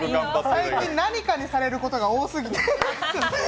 最近、何かにされることが多すぎて。